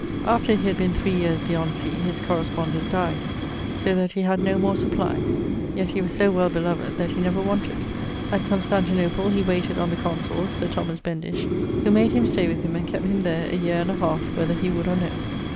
After he had been 3 years beyond sea, his correspondent dyed, so that he had no more supply; yet he was so well beloved that he never wanted. At Constantinople he wayted on the consul Sir Thomas Bendish, who made him stay with him and kept him there a yeare and a halfe, whether he would or no.